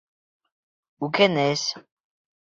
Үкенес!